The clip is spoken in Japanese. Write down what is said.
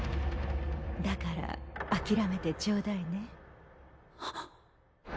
だからあきらめてちょうだいね。